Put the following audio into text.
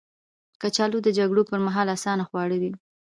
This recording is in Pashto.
کچالو د جګړو پر مهال اسانه خواړه دي